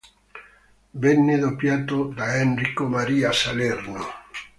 Venne doppiato da Enrico Maria Salerno.